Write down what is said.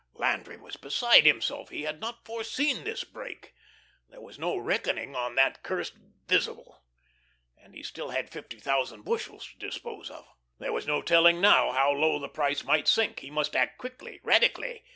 Landry was beside himself. He had not foreseen this break. There was no reckoning on that cursed "visible," and he still had 50,000 bushels to dispose of. There was no telling now how low the price might sink. He must act quickly, radically.